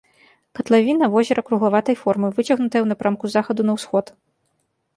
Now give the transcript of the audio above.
Катлавіна возера круглаватай формы, выцягнутая ў напрамку захаду на ўсход.